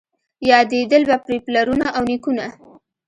یادېدل به پرې پلرونه او نیکونه